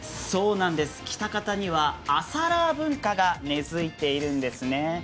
喜多方には朝ラー文化が根づいているんですね。